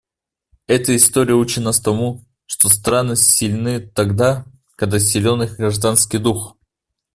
Эта история учит нас тому, что страны сильны тогда, когда силен их гражданский дух.